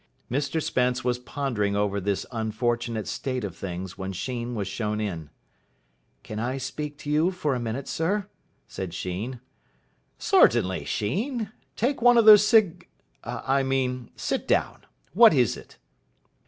Mr Spence was pondering over this unfortunate state of things when Sheen was shown in. "Can I speak to you for a minute, sir?" said Sheen. "Certainly, Sheen. Take one of those cig I mean, sit down. What is it?"